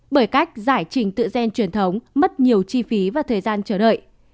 bởi cách giải trình tự gen truyền thống mất nhiều chi phí và thời gian chờ đợi